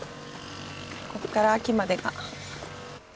ここから秋までが。